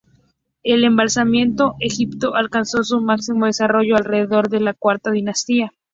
El embalsamamiento egipcio alcanzó su máximo desarrollo alrededor de la cuarta dinastía.